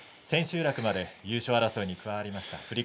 千秋楽まで優勝争いに加わりました。